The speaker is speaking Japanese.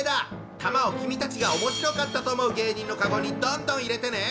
玉を君たちがおもしろかったと思う芸人のカゴにどんどん入れてね！